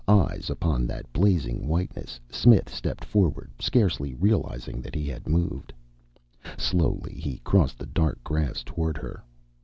Eyes upon that blazing whiteness, Smith stepped forward, scarcely realizing that he had moved. Slowly he crossed the dark grass toward her.